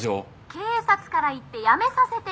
「警察から言ってやめさせてよ」